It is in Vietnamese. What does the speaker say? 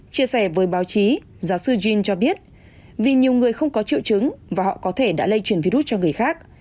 chia sẻ với báo chí giáo sư jin cho biết vì nhiều người không có triệu chứng và họ có thể đã lây truyền vi rút cho người khác